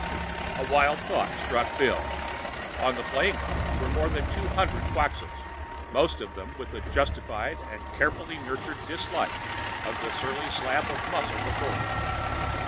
A wild thought struck Bill. On the playing fields were more than two hundred Quxas, most of them with a justified and carefully nurtured dislike for the surly slab of muscle before him.